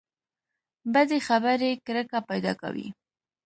بدې خبرې کرکه پیدا کوي.